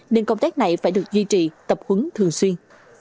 nên công tác này phải được duy trì tập huấn thường xuyên